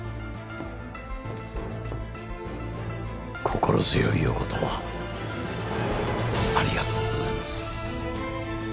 心強いお言葉ありがとうございます。